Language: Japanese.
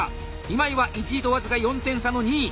今井は１位と僅か４点差の２位。